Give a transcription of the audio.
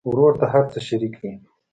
ورور ته هر څه شريک دي.